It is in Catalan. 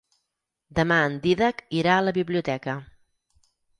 Demà en Dídac irà a la biblioteca.